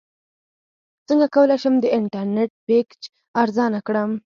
څنګه کولی شم د انټرنیټ پیکج ارزانه کړم